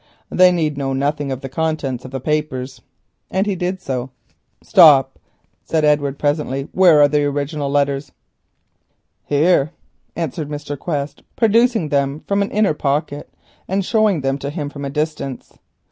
They need know nothing of the contents of the papers," and he did so. "Stop," said Edward presently. "Where are the original letters?" "Here," answered Mr. Quest, producing them from an inner pocket, and showing them to him at a distance.